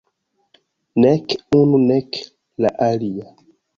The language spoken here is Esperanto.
Nek unu nek la alia.